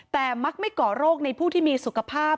แต่มักไม่ก่อโรคในผู้ที่มีสุขภาพ